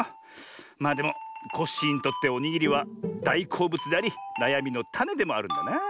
まあでもコッシーにとっておにぎりはだいこうぶつでありなやみのタネでもあるんだなあ。